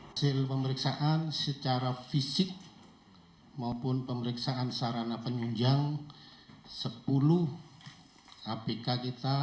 hasil pemeriksaan secara fisik maupun pemeriksaan sarana penyunjang sepuluh apk kita